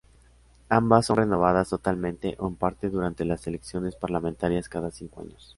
Ambas son renovadas totalmente o en parte durante las elecciones parlamentarias cada cinco años.